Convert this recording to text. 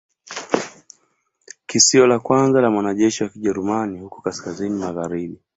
Kisio la kwanza la mwanajeshi wa Kijerumani huko kaskazini magharibi